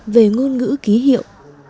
về ngôn ngữ ký hiệu